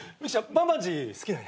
バンバンジー好きなんや。